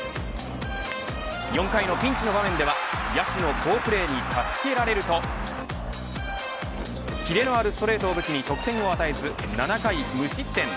４回のピンチの場面では野手の好プレーに助けられると切れのあるストレートを武器に得点を与えず、７回無失点。